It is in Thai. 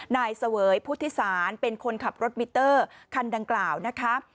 เสวยพุทธศาลเป็นคนขับรถมิเตอร์คันดังกล่าวนะคะ